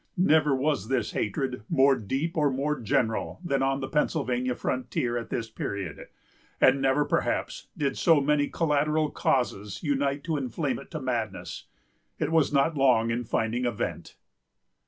Never was this hatred more deep or more general than on the Pennsylvania frontier at this period; and never, perhaps, did so many collateral causes unite to inflame it to madness. It was not long in finding a vent.